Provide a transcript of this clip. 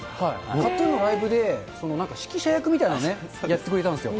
ＫＡＴーＴＵＮのライブで、なんか指揮者役みたいなのやってくれたんですよ。